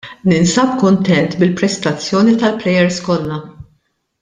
Ninsab kuntent bil-prestazzjoni tal-plejers kollha.